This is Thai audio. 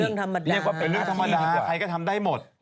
เรื่องธรรมดาเรียกว่าเป็นเรื่องธรรมดาใครก็ทำได้หมด